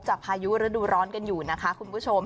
พายุฤดูร้อนกันอยู่นะคะคุณผู้ชม